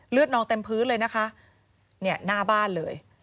นองเต็มพื้นเลยนะคะเนี่ยหน้าบ้านเลย